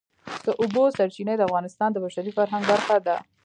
د اوبو سرچینې د افغانستان د بشري فرهنګ برخه ده.